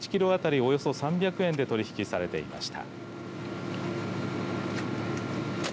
およそ３００円で取り引きされていました。